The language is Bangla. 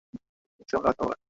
মুখ সামলে কথা বলেন!